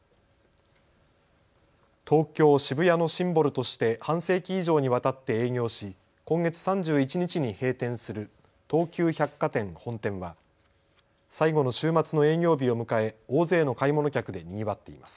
東京渋谷のシンボルとして半世紀以上にわたって営業し今月３１日に閉店する東急百貨店本店は最後の週末の営業日を迎え大勢の買い物客でにぎわっています。